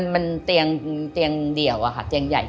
มันเตียงเดี่ยวอะค่ะเตียงใหญ่